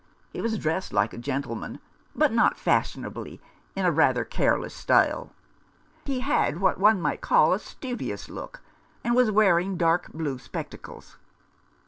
He was dressed like a gentleman, but not fashionably, in a rather careless style. He had what one might call a studious look, and was wearing dark blue spectacles."